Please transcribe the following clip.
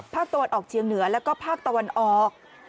ภาคตะวันออกเชียงเหนือแล้วก็ภาคตะวันออก